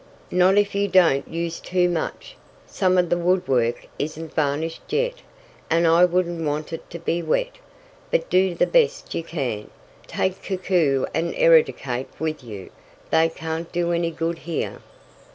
"Not if you don't use too much. Some of the woodwork isn't varnished yet, and I wouldn't want it to be wet. But do the best you can. Take Koku and Eradicate with you. They can't do any good here."